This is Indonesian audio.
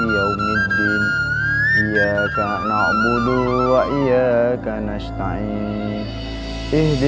assalamualaikum warahmatullah wabarakatuh